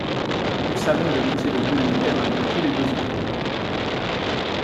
Le Salon des Métiers de l’Humanitaire a lieu tous les deux ans.